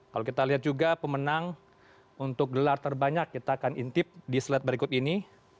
kalau kita lihat juga pemenang untuk gelar terbanyak kita akan intip di slide berikut ini